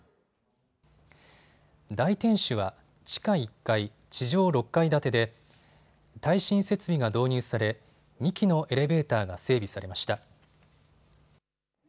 大天守は地下１階、地上６階建てで耐震設備が導入され２基のエレベーターが整備されました。